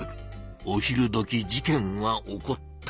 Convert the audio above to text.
お昼どき事件は起こった。